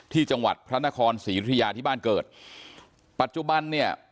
ที่จังหวัดพระนครศรียุธยาที่บ้านเกิดปัจจุบันเนี่ย